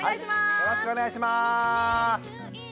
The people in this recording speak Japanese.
よろしくお願いします。